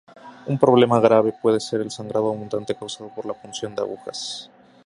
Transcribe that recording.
Un problema grave puede ser el sangrado abundante causado por la punción de agujas.